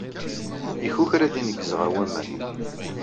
Yekkukra ad ineggez ɣer waman.